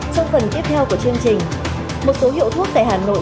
một số hiệu thuốc tại hà nội